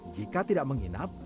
jika tidak menginap